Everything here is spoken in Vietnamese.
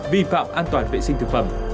vi phạm an toàn vệ sinh thực phẩm